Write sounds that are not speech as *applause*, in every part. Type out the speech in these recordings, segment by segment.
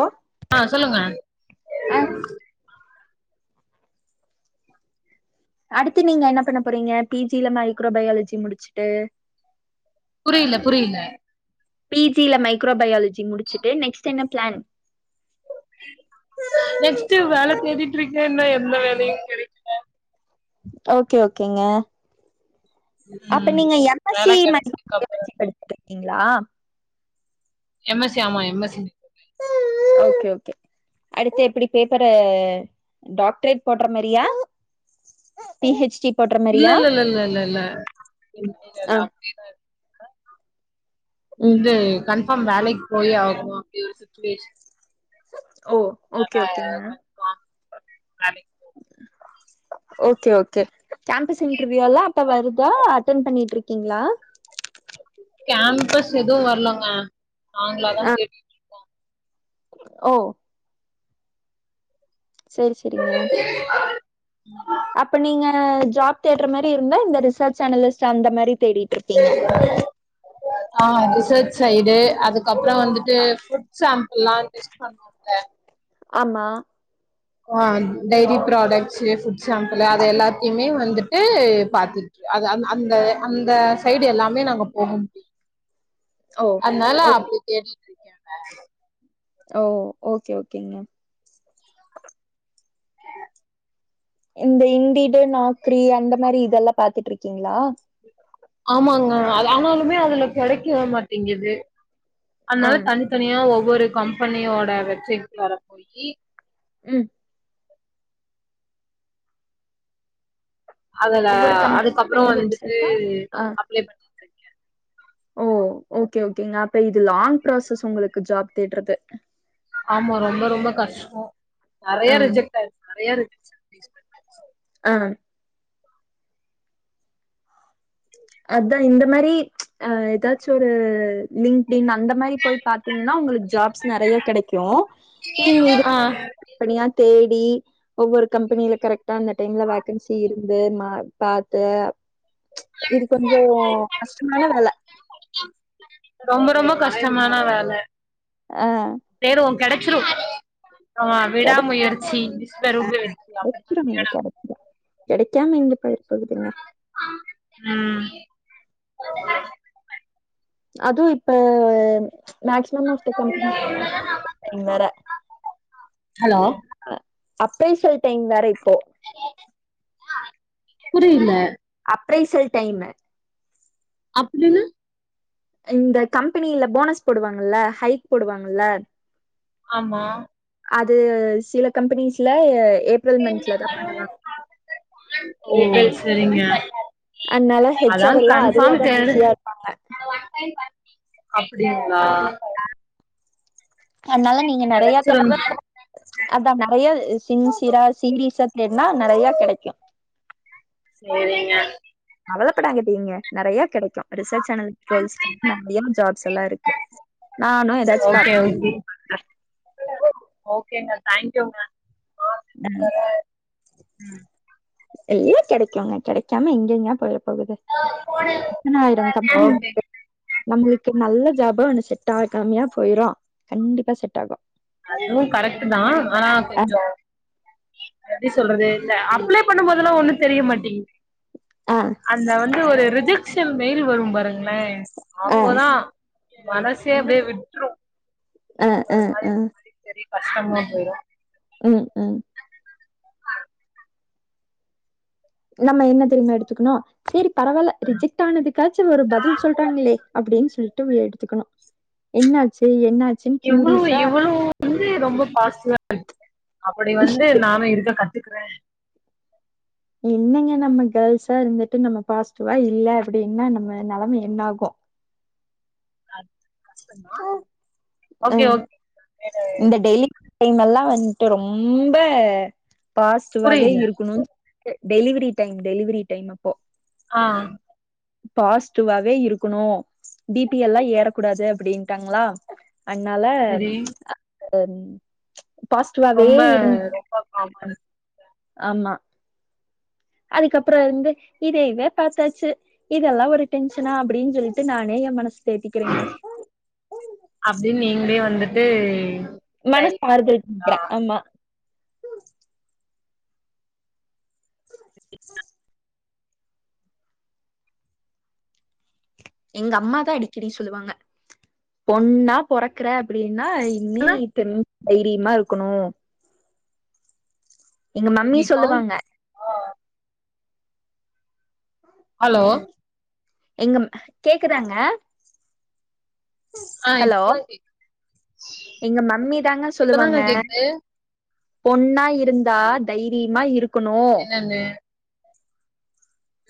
ஓ ஆ சொல்லுங்க ஆ அடுத்து நீங்க என்ன பண்ண போறீங்க பி ஜி ல மைக்ரோ பயாலஜி முடுச்சுட்டு புரிய்ல புரிய்ல பி ஜி ல மைக்ரோ பயாலஜி முடிச்சுட்டு நெக்ஸ்ட் என்ன ப்ளான் நெக்ஸ்ட்டு வேல தேடிட்டு இருக்கே இன்னு எந்த வேலையு கெடக் ஓகே ஓகேங்க அப்ப ம் நீங்க எம் எஸ் சி வேல கெடச்சதுக்கு அப்பறோ மெக்கானிக்கல் படுசுருக்கீங்ளா எம் எஸ் சி ஆமா M S C okay okay அடுத்து எப்டி பேப்பரு டாக்ட்ரேட் போடுற மாரியா பி ஹெச் டி போட்ற இல்ல இல்ல இல்ல இல்ல இல்ல இல்ல இல்ல ஆ இல்ல அப்டில இல்ல ம் உண்டு கண் *unintelligible* வேலைக் போயே ஆகணு அப்டி ஒரு சுட்ச்சுவேஷன் ஓ அத *inaudible* ஓகே ஓகேங்க *unintelligible* வேலைக் ஓகே ஓகே கேம்பஸ் இன்டர்வியூ எல்லா அப்ப வருதா அட்டென் பண்ணிட்டுருக்கீங்ளா கேம்பஸ் எது வர்லங்க நாங்களாதா ஆ தேடி ஓ செரி செரிங்க அப்ப நீங்க ஜாப் தேடுற மாரி இருந்தா இந்த ரிசர்ச் அனலிஸ்ட் அந்த மாரி தேடி *unintelligible* ஆ ரிசர்ச் சைடு அதுக்கப்றோ வந்துட்டு ஃபுட் சாம்பிள்லா டெஸ்ட் பண்ணு ஆமா ஆ டைரி ப்ராடக்ட்ஸ்சு ஃபுட் சாம்புளு அது எல்லாத்தையுமே வந்துட்டு பாத்து அது அந் அந்த அந்த சைடு எல்லாமே நாங்க போக முடியு ஓ அதனால ஓ அப்டி தேடி ஓ ஓகே ஓகேங்க இந்த இன்டிடு நாக்கிரி அந்த மாரி இதெல்லா பாத்துட்டுருக்கீங்ளா ஆமாங்க அது ஆனாலுமே அதுல கெடைக்கவே மாட்டிங்குது ஆ அதனால தனி தனியா ஒவ்வொரு கம்பெனியோட வெப்சைட்குள்ளற போய் ம் அதுல ஒவ்வொரு அதுக்கப்புறோ கம்பெனி வந்துட்டு வெப்சைட்டா ஆ அப்ளை பண்ண ஓ ஓகே ஓகேங்க அப்ப இது லாங் ப்ராசஸ் உங்களுக்கு ஜாப் தேட்றது ஆமா ரொம்ப ரொம்ப கஷ்டோ ஆ நெறைய ரிஜெக்ட் ஆய்ரு நெறைய ரிஜக்ட் *unintelligible* அ அதா இந்த மாரி அ ஏதாச்சு ஒரு லிங்டின் அந்த மாரி போய் பாத்தீங்கன்னா உங்களுக்கு ஜாப்ஸ் நெறைய கிடைக்கு ஆ தனியா தேடி ஒவ்வொரு கம்பெனில கரெக்டா அந்த டைம்ல வக்கன்சி இருந்து மா பாத்து இது கொஞ்சோ கஷ்டமான வேல ரொம்ப ரொம்ப கஷ்டமான வேல அ தேடுவோ கடச்சிரு ஆ கெட விடாமுயற்சி ஆ விஸ்வரூப வெற்றி ஆகும் கெடச்சிருங்க *unintelligible* கெடைக்காம எங்க போய்ர போகுதுங்க ம் அதுவு இப்ப மக்சிமம் ஆஃப் தி கம்பெனி வேற *inaudible* ஹலோ அ அப்ரைசல் டைம் வேற இப்போ புரியில அப்ரைசல் டைமு அப்டினா இந்த கம்பெனில போனஸ் போடுவாங்கல்ல ஹைக் போடுவாங்கல்ல ஆமா அது சில கம்பெனிஸ்ல ஏப்ரல் மந்த்ல தா பண்ணுவாங்க ஓ ஏப்ரல் செரிங்க அதனால ஹெச் அதா ஆர் எல்லா கன்பார்ம் அதுலதா தெடு பிஸியா இருப்பாங்க அப்டிங்ளா அ அன்னால நீங்க நெறைய தடவ கெடச்சிருந் அதா நறைய சின்சிரா சீரீசா தேட்னா நறைய கடைக்கு சேரிங்க கவலப்படாதீங்க நறைய கிடைக்கு ரிசர்ச் சேனல் *unintelligible* நிறைய ஜாப்ஸ் எல்லா இருக்கு நானு ஏதாச்சு ஓகே பாத்தா ஓகே ஓகேங்க தங்க்யூங்க ம் ம் எல்லா கெடைக்குங்க கெடைக்காம எங்கங்க போய்ட போகுது எத்தனாயிரம் கம்பெனி ஓகே இருக்கு உங்களுக்கு நல்ல ஜாபா ஒண்ணு செட் ஆகாமயா போய்ரு கண்டிப்பா செட் ஆகு அதுவு கரெக்ட்டு தா ஆனா அ கொஞ்சோ எப்டி சொல்றது இந்த அப்ளை பண்ணும் போதெல்லா ஒண்ணு தெரிய மாட்டீங்குது ஆ அந்த வந்து ஒரு ரிஜெக்ஷன் மெய்ல் வரும் பாருங்களே ஆ அப்போதா மனசே அப்டியே விட்ரு அ அ அ சரி கஷ்டமா போய்ரு ம் ம் நம்ம என்ன தெரியுமா எடுத்துக்கணு சேரி பரவால்ல ரிஜெக்ட் ஆனதுக்காச்சு ஒரு பதில் சொல்றாங்ளே அப்டின் சொல் ட்டு எடுத்துக்கணு என்னாச்சு என்னாச்சுன் க்யூரீஸ்ஸா வந்து ரொம்ப பாசிட்டிவா இருக் அப்டி வந்து நானு இருக்க கத்துக்குறே என்னங்க நம்ம கேர்ள்ஸா இருந்துட்டு நம்ம பாசிட்டிவா இல்ல அப்டின்னா நம்ம நெலம என்னாகு அது கஷ்ட்ந்தா அ ஓகே ஓக் வேற இந்த டெய்லி இவ்ங்கெல்லா வந்இவ்எல்லாட்டு ரொம்ப பாசிட்டிவாவே புரியல இருக்கணுன் டெலிவரி டைம் டெலிவரி டைம் அப்போ ஆ பாசிட்டிவாவே இருக்கணு பி பி எல்லா ஏறக்கூடாது அப்டின் ணட்டாங்ளா அதுனால சரி அம் பாசிட்டிவாவே ரொம்ப இருந் ரொம்ப பாவமா அ இருக்கு ஆமா அதுக்கப்றோ வந்து இதைவே பாத்தாச்சு இதெல்லா ஒரு டென்ஷனா அப்டின் சொல்ட்டு நானே எ மனச தேத்திக்கிறேங்க அப்டின் நீங்களே வந்துட்டு மனச இதாயிட்டா ஆறுதல் பண்றே ஆமா எங்க அம்மாதா அடிக்கடி சொல்லுவாங்க பொண்ணா பொறக்குற அப்டின்னா நீ ஆனா பெண் தைரியமா இருக்கணு எங்க மம்மி நீ கால் சொல்லுவாங்க ஹலோ எங்கம் கேக்குதாங்க ஆ ஹலோ இப்பதா கேக்குது எங்க மம்மி தாங்க சொல்லுவாங்க இப்பதாங்க கேக்குது பொண்ணா இருந்தா தைரியமா இருக்கணு தானே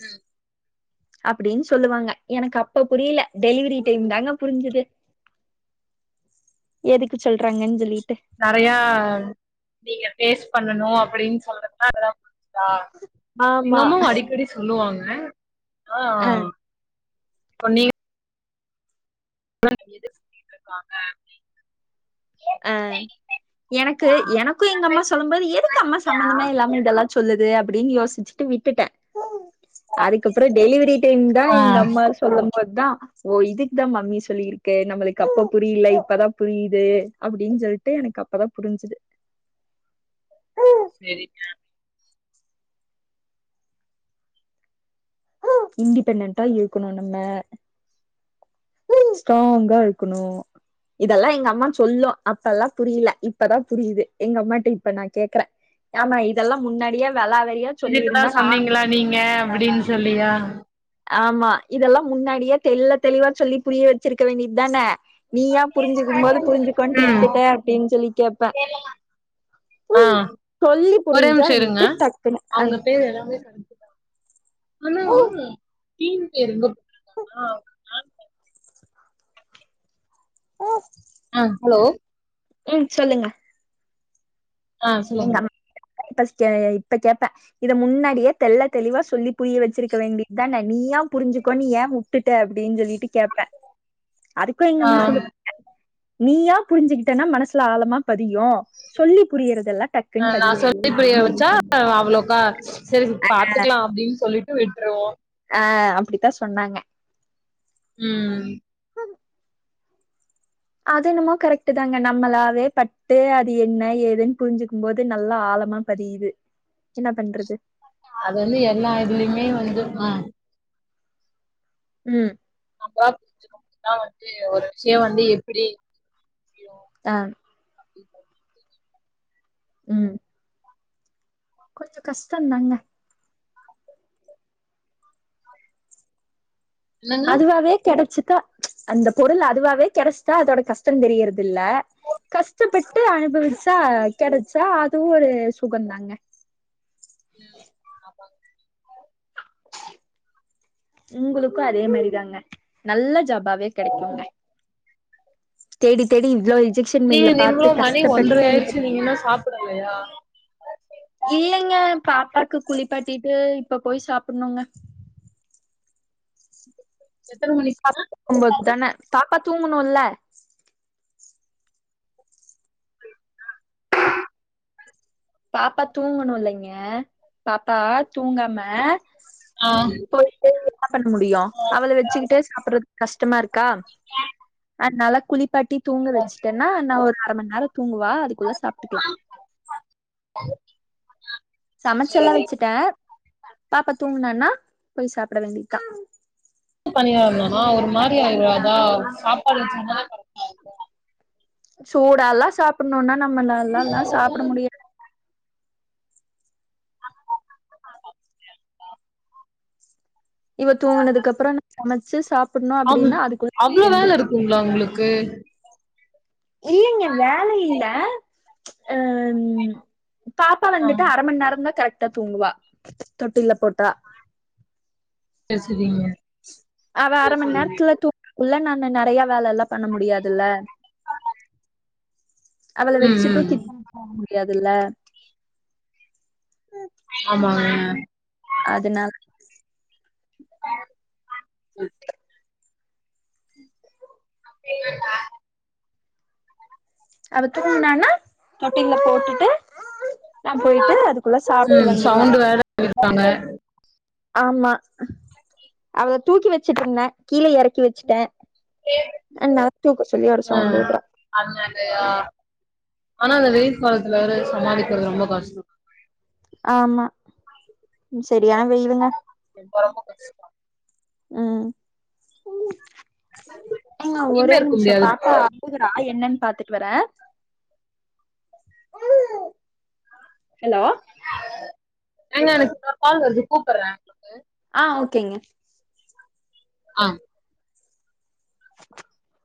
ம் அப்டின் சொல்லுவாங்க எனக்கு அப்ப புரியல டெலிவரி டைம் தாங்க புரிஞ்சது எதுக்கு சொல்றாங்கன் சொல்லிட்டு நெறையா நீங்க ஃபேஸ் பண்ணணு அப்டின் சொல்றதுதா அதலா தா எங்க ஆமா அம்மாவு அடிக்கடி சொல்லுவாங்க ஆ ஆ அ ஆ பண்ணி எது செஞ்சிட்டு சுத்திட்ருக்காங்க நீ அ எனக்கு எனக்கு எங்க அம்மா சொல்லும் போது எதுக்கு அம்மா சம்மந்தமே இல்லாம இதெல்லா சொல்லுது அப்டின் யோசிச்சுட்டு விட்டுட்டே அதுக்கப்ற டெலிவரி டைம் தா ஆ எங்க அம்மா ஸ் சொல்லும் போதுதா ஓ இதுக்கு தா மம்மி சொல்லிருக்கு நம்மளுக்கு அப்ப புரியல இப்பதா புரியுது அப்டின் சொல்ட்டு எனக்கு அப்பதா புரிஞ்சது சேரிங்க இன்டிபெண்டண்ட்டா இருக்கணு நம்ம ஸ்ட்ராங்கா இருக்கணு இதெல்லா எங்க அம்மா சொல்லு அப்பலா புரியல இப்பதா புரியுது எங்க அம்மாட்ட இப்ப நா கேக்குறே ஆமா இதெல்லா முன்னாடியே வெளாவறியா இதுக்குதா சொல்லிருந்தா நானு சொன்னீங்களா நீங்க அப்டின் சொல்லியா ஆமா இதெல்லா முன்னாடியே தெல்ல தெளிவா சொல்லி புரிய வெச்சிருக்க வேண்டியது தான நீயா புரிஞ்சுக்கும்போது புரிஞ்சுக்கோண்டு ம் விட்டுட்ட அப்டின் சொல்லி கேப்பே ஆ சொல்லி ஒரே புரிஞ்சா நிம்ஷ இருங்க வந்துட்டு டக்குன்னு அ ஆனா தீன் பேரு ஆ போ ஆ ஹலோ ம் சொல்லுங்க ஆ எங்க சொல்லுங்க அம்மா ஃபர்ஸ்ட்டு ஆ இப்ப கேப்பேன் இத முன்னாடியே தெள்ள தெளிவா சொல்லி புரிய வச்சிருக்க வேண்டியதுதான நீயா புரிஞ்சுக்கோ நீ ஏன் விட்டுட்ட அப்படின்னு சொல்லிட்டு கேப்பேன் அதுக்கும் எங்க ஆ அம்மா சொல்லு நீயா புரிஞ்சுகிட்டன்னா மனசுல ஆழமா பதியும் சொல்லி புரியிறதுல்லா அ நா சொல்லி புரிய வச்சா அவ்வளோக்கா சரி பாத்துக்கலாம் அப்படின்னு சொல்லிட்டு விட்டுருவோம் ஆ அப்படித்தா சொன்னாங்க உம் ஹ அது என்னமோ கரெக்ட்டு தாங்க நம்மளாவே பட்டு அது என்ன ஏதுன்னு புரிஞ்சுக்கும் போது நல்லா ஆழமா பதியிது என்ன பண்றது அது வந்து எல்லா இதுலயுமே வந்து ஆ உம் புறா குஞ்சுக்கு மட்டும் தான் வந்து ஒரு விஷயம் வந்து எப்படி ஆ உம் கொஞ்சோ கஷ்டம் தாங்க என்னங்க அதுவாவே கிடைச்சிடா அந்த பொருள் அதுவாவே கிடைச்சிட்டா அதோட கஷ்டம் தெரியறது இல்ல கஷ்டப்பட்டு அனுபவிச்சா கிடைச்சா அதுவும் ஒரு சுகம்தாங்க உம் ஆமாங்க கண்டிப்பா உங்களுக்கும் அதே மாதிரி தாங்க நல்ல ஜாப்பாவே கிடைக்குங்க தேடி தேடி இவ்வளவு ரிஜெக்ஷன் நீங்க மெயில் பாத்து நீங்களு மணி ஒன்ற கஷ்டப்பட்டு இது ஆயிடுச்சு பண்ணி நீங்க இன்னு சாப்பிடலையா இல்லைங்க பாப்பாக்கு குளிப்பாட்டிட்டு இப்ப போய் சாப்டணுங்க எத்தன மணிக்கு பாப்பா தூங்கும் போது தான பாப்பா தூங்கணும்ல்ல பாப்பா தூங்கணும் இல்லைங்க பாப்பா தூங்காம ஆ போயிட்டு என்ன பண்ண முடியும் அவள வச்சுக்கிட்டே சாப்ட்றதுக்கு கஷ்டமா இருக்கா *unintelligible* அதனால குளிப்பாட்டி தூங்க வச்சுட்டேனா நா ஒரு அரமண்நேரம் தூங்குவா அதுக்குள்ள சாப்ட்டுக்கலா *unintelligible* சமைச்செல்லா வச்சுட்டேன் பாப்பா தூங்குனானா போய் சாப்ட வேண்டியத்தா பண்ணனா ஒரு மாதிரி ஆயிடாதா அதா சாப்பாடு வச்சனா கரெக்டா இருக்கு சூடாலா சாப்பிடணும்னா நம்மளால்லா எல்லா சாப்பிட முடியா இவா தூங்குனதுக்கு அப்புறம் நா சமச்சு சாப்டணு அப்படின்னா அதுக்குள்ள இவ எழுந்திச்சிரு எவ்ளோ உங்களுக்கு இல்லைங்க வேல இல்ல அ பாப்பா ஆ வந்துட்டு அரமன் நேரம் தா கரெக்ட் ட்டா தூங்குவா தொட்டில்ல போட்டா பேசுவீங்க அவா அரை மணி நேரத்துல தூக்குள்ள நானு நிறைய வேலல்லா பண்ண முடியாதுல்ல அவள ம் வச்சுட்டும் ம் கிச்சன்கு போ முடியாதுல்ல ஆமா அதுனால ம் அப்படியே தா அவ தூங்குனான்னா தொட்டில போட்டுட்டு நா போயிட்டு அதுக்குள்ள சாப்பிட்டு ம் வந்துருவே சவுண்டு வேற இருக்காங்க ஆமா அவள தூக்கி வச்சுட்டு இருந்த கீழே எறக்கி வச்சுட்டே அதுனால தூக்க சொல்லி ஒரு சவுண்ட் உட்றா. ஆனா அந்த வெயில் காலத்துல சமாளிக்கிறது ரொம்ப கஷ்டோ ஆமா சரியான வெயிலுங்க *unintelligible* ம் எங்க எங்கேயுமே ஒரே இருக்க நிமிஷோ முடியாது போல பாப்பா அழுவுறா என்னன்னு பாத்துட்டு வரே ஹலோ எங்க எனக்கு கால் வருது கூப்புட்றே ஆ ஓகேங்க ஆ *unintelligible*